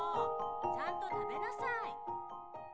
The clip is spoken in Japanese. ちゃんと食べなさい！